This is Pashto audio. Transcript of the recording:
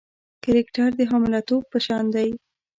کرکټر د حامله توب په شان دی.